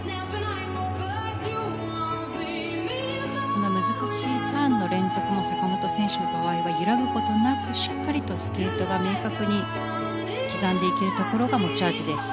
この難しいターンの連続も坂本選手の場合は揺らぐ事なくしっかりとスケートが明確に刻んでいけるところが持ち味です。